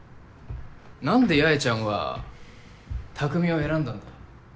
何で八重ちゃんは匠を選んだんだろ。